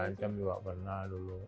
diancam juga pernah dulu